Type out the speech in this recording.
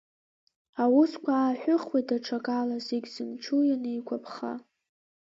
Аусқәа ааҳәыхуеит даҽакала, зегь зымчу ианигәаԥха!